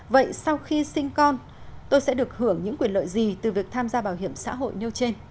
vậy sau khi sinh con tôi sẽ được hưởng những quyền lợi gì từ việc tham gia bảo hiểm xã hội nêu trên